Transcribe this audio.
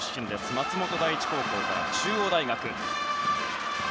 松本第一高校から中央大学。